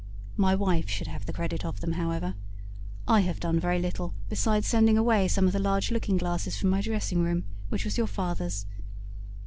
My wife should have the credit of them, however. I have done very little besides sending away some of the large looking glasses from my dressing room, which was your father's.